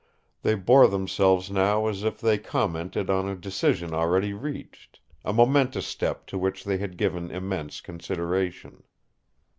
They bore themselves now as if they commented on a decision already reached, a momentous step to which they had given immense consideration.